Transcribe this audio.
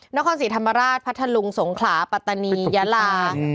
นครศรีธรรมราชพัทธลุงสงขลาปัตตานียาลา